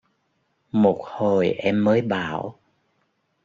một hồi em mới bảo